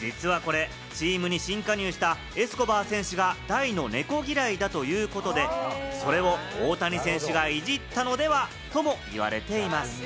実はこれ、チームに新加入したエスコバー選手が大の猫嫌いだということで、それを大谷選手がいじったのでは？とも言われています。